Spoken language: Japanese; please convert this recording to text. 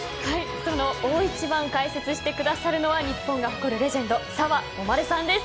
その大一番解説してくださるのは日本が誇るレジェンド澤穂希さんです。